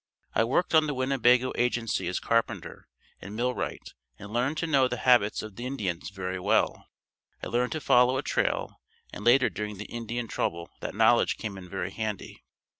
I worked on the Winnebago agency as carpenter and millwright and learned to know the habits of the Indians very well. I learned to follow a trail and later during the Indian trouble that knowledge came in very handy.